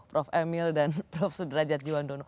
prof emil dan prof sudrajat jiwandono